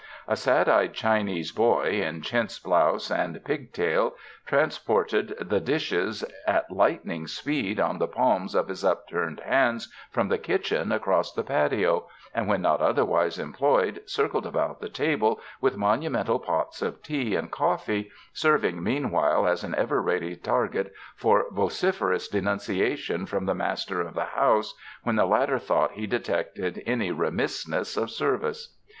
A sad eyed Chinese ''boy" in chintz blouse and pig tail transported the dishes at lightning speed on the 123 UNDER THE SKY IN CALIFORNIA palms of his upturned hands from the kitchen across the patio, and when not otherwise employed circled about the table with monumental pots of tea and coffee, serving meanwhile as an ever ready target for vociferous denunciation from the master of the house, when the latter thought he detected any re missness of service.